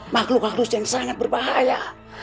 makhluk makhluk yang sangat berbahaya